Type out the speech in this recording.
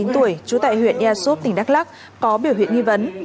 hai mươi tuổi trú tại huyện ea súp tỉnh đắk lắc có biểu hiện nghi vấn